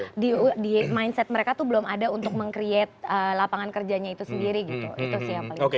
jadi di mindset mereka tuh belum ada untuk meng create lapangan kerjanya itu sendiri gitu itu sih yang paling utama